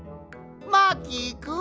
マーキーくん？